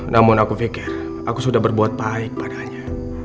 namun aku pikir aku sudah berbuat baik padanya